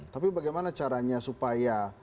tapi bagaimana caranya supaya